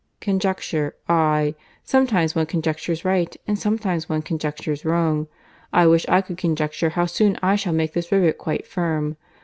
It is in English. "Conjecture—aye, sometimes one conjectures right, and sometimes one conjectures wrong. I wish I could conjecture how soon I shall make this rivet quite firm.